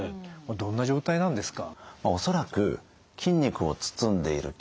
どんな状態なんですか？